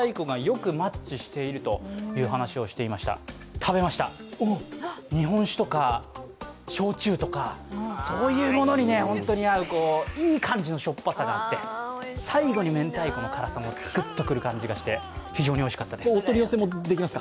食べました、日本酒とか、焼酎とかそういうものに本当に合う、いい感じのしょっぱさがあって、最後のめんたいこの辛さがグッと来る感じもあって、お取り寄せもできますか。